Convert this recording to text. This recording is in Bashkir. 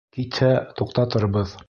Китһә, туҡтатырбыҙ.